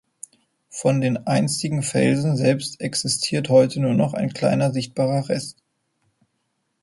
Von dem einstigen Felsen selbst existiert heute nur noch ein kleiner sichtbarer Rest.